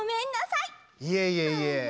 いえいえいえ。